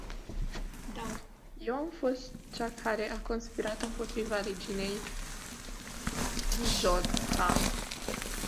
Da, eu am fost cea care a conspirat impotriva reginei Jodha!